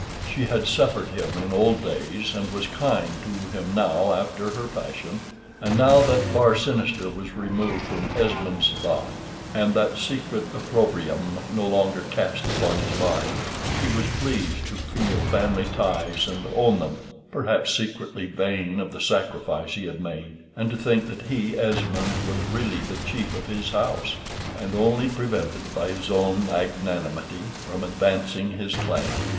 She had suffered him in old days, and was kind to him now after her fashion. And now that bar sinister was removed from Esmond's thought, and that secret opprobrium no longer cast upon his mind, he was pleased to feel family ties and own them perhaps secretly vain of the sacrifice he had made, and to think that he, Esmond, was really the chief of his house, and only prevented by his own magnanimity from advancing his claim.